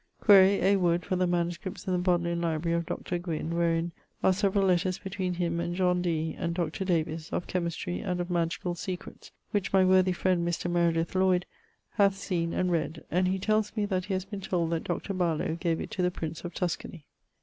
Quaere A. Wood for the MSS. in the Bodlean library of Doctor Gwyn, wherein are severall letters between him and John Dee, and Doctor Davies, of chymistrey and of magicall secrets, which my worthy friend Mr. Meredith Lloyd hath seen and read: and he tells me that he haz been told that Dr. Barlowe gave it to the Prince of Tuscany.